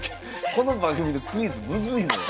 この番組のクイズむずいのよ。